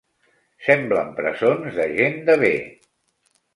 Semblen presons de gent de bé